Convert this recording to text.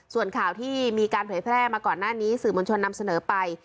ส่วนข่าวที่มีการเผยแพร่มาก่อนหน้านี้สื่อมวลชนนำเสนอไป